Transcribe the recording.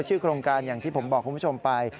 ชื่อโครงการอย่างที่ผมบอกคุณผู้ชมไป